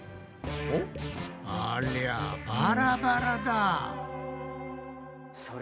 ありゃバラバラだ。